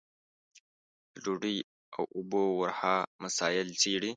له ډوډۍ او اوبو ورها مسايل څېړي.